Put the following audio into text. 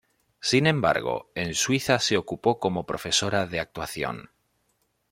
Sin embargo, en Suiza se ocupó como profesora de actuación.